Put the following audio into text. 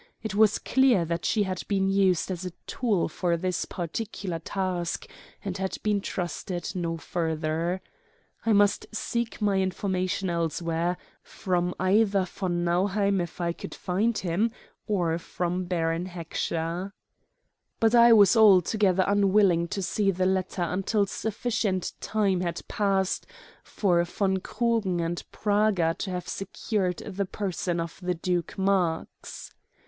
It was clear that she had been used as a tool for this particular task, and had been trusted no further. I must seek my information elsewhere; from either von Nauheim, if I could find him, or from Baron Heckscher. But I was altogether unwilling to see the latter until sufficient time had passed for von Krugen and Praga to have secured the person of the Duke Marx.